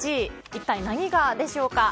一体何がでしょうか。